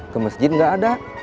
ke masjid gak ada